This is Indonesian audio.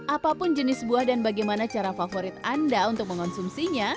apapun jenis buah dan bagaimana cara favorit anda untuk mengonsumsinya